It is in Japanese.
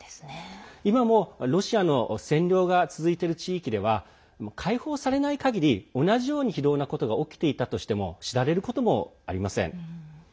今もロシアの占領が続いてる地域では解放されないかぎり、同じように非道なことが起きていたとしても知られることもありません。